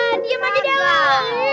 ah diem aja dia woi